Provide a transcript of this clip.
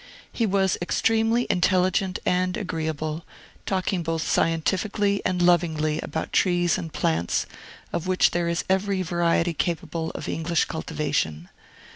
He was extremely intelligent and agreeable, talking both scientifically and lovingly about trees and plants, of which there is every variety capable of English cultivation.